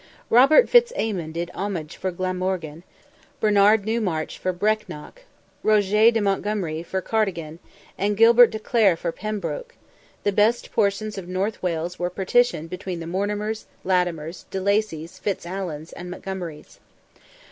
Robert Fitz Aymon did homage for Glamorgan, Bernard Newmarch for Brecknock, Roger de Montgomery for Cardigan, and Gilbert de Clare for Pembroke: the best portions of North Wales were partitioned between the Mortimers, Latimers, De Lacys, Fitz Alans, and Montgomerys.